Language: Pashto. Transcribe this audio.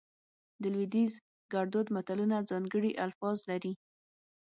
د لودیز ګړدود متلونه ځانګړي الفاظ لري